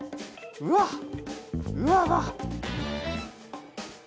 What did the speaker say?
うわっうわわっ。